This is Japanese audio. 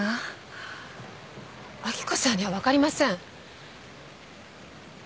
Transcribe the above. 明子さんには分かりません。